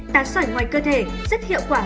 tán sỏi ngoài cơ thể rất hiệu quả